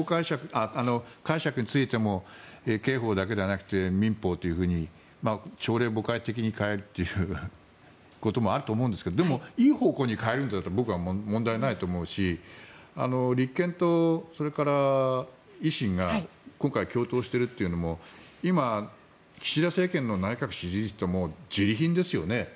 解釈についても刑法だけではなくて民法と朝令暮改的に変えていることもあると思うんですけどでも、いい方向に変えるなら僕は問題ないと思うし立憲と、それから維新が今回、共闘しているというのも今、岸田政権の内閣支持率ってじり貧ですよね。